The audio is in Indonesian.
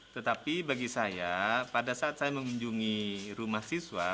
tetapi bagi saya pada saat saya mengunjungi rumah siswa